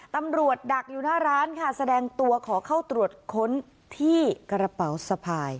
ดักอยู่หน้าร้านค่ะแสดงตัวขอเข้าตรวจค้นที่กระเป๋าสะพาย